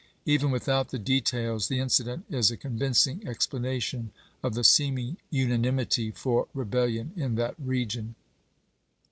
Even without the details the incident is a convinc ing explanation of the seeming unanimity for re belUon in that region.